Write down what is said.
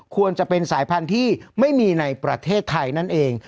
ควรจะเป็นสายพันธุ์ที่ไม่มีในประเทศไทยนั่นเอง